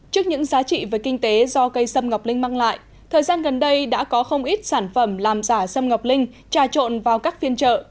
trước những giá trị về kinh tế do cây sâm ngọc linh mang lại thời gian gần đây đã có không ít sản phẩm làm giả sâm ngọc linh trà trộn vào các phiên trợ